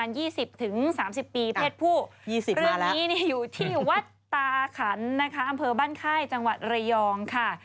อันนี้อยู่ที่วัดตาขันนะคะอำเภอบ้านค่ายจังหวัดเรยองค่ะ